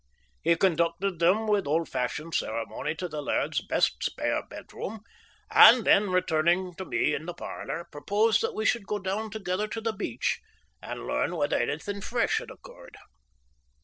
He conducted them with old fashioned ceremony to the laird's best spare bedroom, and then, returning to me in the parlour, proposed that we should go down together to the beach and learn whether anything fresh had occurred.